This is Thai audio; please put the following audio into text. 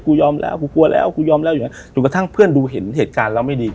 ยอมแล้วกูกลัวแล้วกูยอมแล้วจนกระทั่งเพื่อนดูเห็นเหตุการณ์แล้วไม่ดี